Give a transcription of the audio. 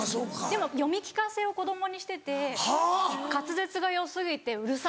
でも読み聞かせを子供にしてて滑舌が良過ぎて「うるさい」。